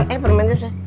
eh permennya ceng